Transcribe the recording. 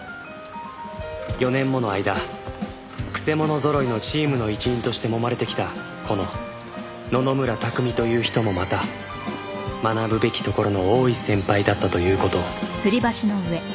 ４年もの間曲者ぞろいのチームの一員としてもまれてきたこの野々村拓海という人もまた学ぶべきところの多い先輩だったという事を